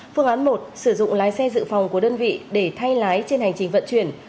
phương án một sử dụng lái xe dự phòng của đơn vị để thay lái trên hành trình vận chuyển